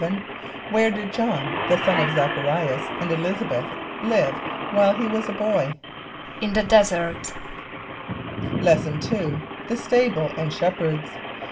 = Where did J[)o]hn, the son of Z[)a]ch a r[=i]´as and [+E] l[)i][s+]´a b[)e]th, live while he was a boy? =In the desert.= Lesson II. The Stable and Shepherds.